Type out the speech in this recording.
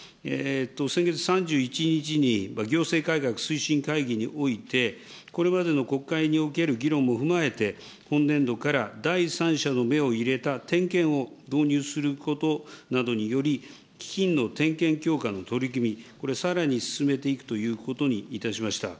先月３１日に行政改革推進会議において、これまでの国会における議論も踏まえて、本年度から第三者の目を入れた点検を導入することなどにより、基金の点検強化の取り組み、これ、さらに進めていくということにいたしました。